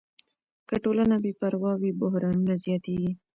که ټولنه بې پروا وي، بحرانونه زیاتېږي.